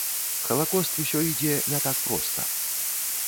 Халакост усё ідзе не так проста.